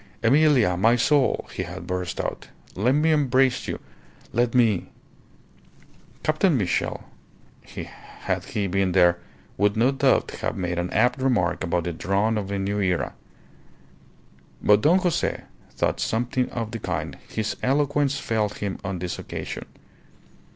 "Emilia, my soul," he had burst out, "let me embrace you! Let me " Captain Mitchell, had he been there, would no doubt have made an apt remark about the dawn of a new era; but if Don Jose thought something of the kind, his eloquence failed him on this occasion.